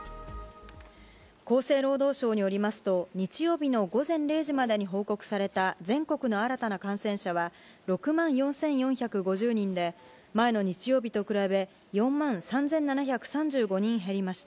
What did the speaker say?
厚生労働省によりますと、日曜日の午前０時までに報告された全国の新たな感染者は６万４４５０人で、前の日曜日と比べ、４万３７３５人減りました。